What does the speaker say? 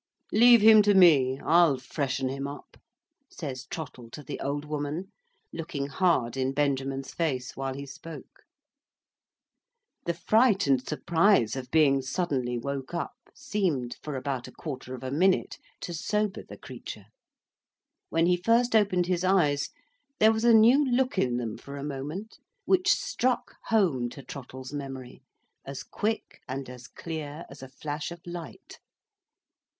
"Leave him to me; I'll freshen him up," says Trottle to the old woman, looking hard in Benjamin's face, while he spoke. The fright and surprise of being suddenly woke up, seemed, for about a quarter of a minute, to sober the creature. When he first opened his eyes, there was a new look in them for a moment, which struck home to Trottle's memory as quick and as clear as a flash of light.